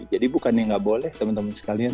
jadi bukan yang nggak boleh teman teman sekalian